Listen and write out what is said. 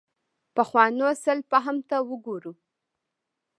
پخوانو سلف فهم ته وګورو.